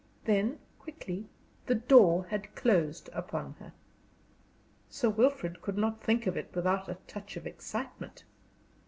Then, quickly, the door had closed upon her. Sir Wilfrid could not think of it without a touch of excitement.